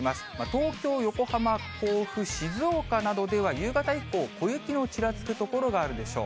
東京、横浜、甲府、静岡などでは、夕方以降、小雪のちらつく所があるでしょう。